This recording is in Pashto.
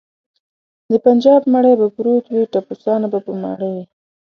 د بنجاب مړی به پروت وي ټپوسان به په ماړه وي.